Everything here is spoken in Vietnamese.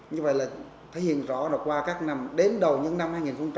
như vậy là thể hiện rõ là qua các năm đến đầu những năm hai nghìn một mươi sáu